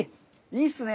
いいっすね！